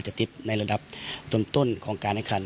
จะติดในระดับต้นของการแข่งขัน